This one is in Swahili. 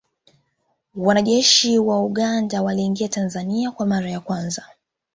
Wanajeshi wa Uganda waliingia Tanzania kwa mara ya kwanza